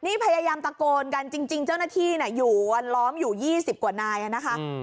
นี่พยายามตะโกนกันจริงเจ้าหน้าที่อยู่ล้อมอยู่๒๐กว่านายนะคะ